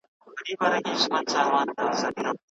که زده کوونکی انلاین تمرین تکرار کړي، تېروتنه نه دوام کوي.